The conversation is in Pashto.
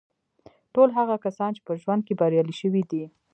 ټول هغه کسان چې په ژوند کې بریالي شوي دي